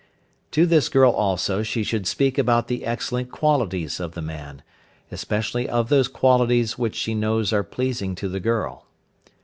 To the girl also she should speak about the excellent qualities of the man, especially of those qualities which she knows are pleasing to the girl.